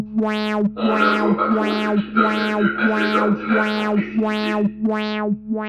On ne voit pas trop ce qui donne lieu à ces ordinations précipitées.